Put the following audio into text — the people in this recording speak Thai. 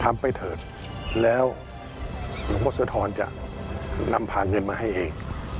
ทำไปเถิดแล้วอภสธรจะนำผ่าเงินมาให้เอง